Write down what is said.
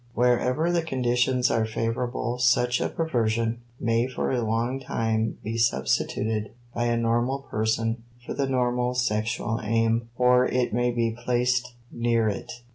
Wherever the conditions are favorable such a perversion may for a long time be substituted by a normal person for the normal sexual aim or it may be placed near it.